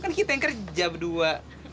kan kita yang kerja berdua